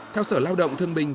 theo sở lao động thương minh